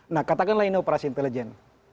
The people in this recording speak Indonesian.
nah katakanlah ini operasi intelijen